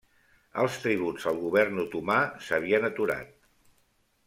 Els tributs al govern otomà s'havien aturat.